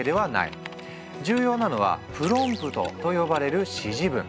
重要なのはプロンプトと呼ばれる指示文。